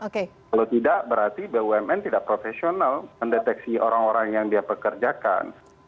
kalau tidak berarti bumn tidak profesional mendeteksi orang orang yang dia pekerjakan